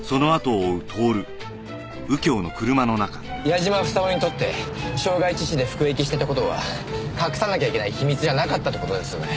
矢嶋房夫にとって傷害致死で服役してた事は隠さなきゃいけない秘密じゃなかったって事ですよね。